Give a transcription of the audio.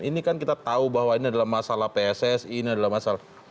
ini kan kita tahu bahwa ini adalah masalah pssi ini adalah masalah